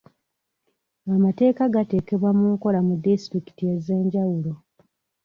Amateeka gateekebwa mu nkola mu disitulikiti ez'enjawulo.